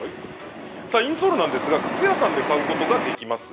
インソール靴屋さんで買うことができます。